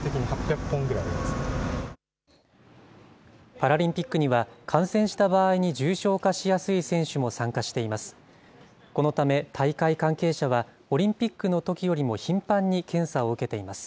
パラリンピックには、感染した場合に重症化しやすい選手も参加しています。